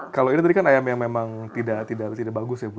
kalau ini tadi kan ayam yang memang tidak bagus ya bu